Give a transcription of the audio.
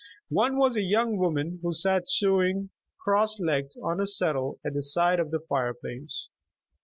One was a young woman who sat sewing cross legged on a settle at the side of the fire place.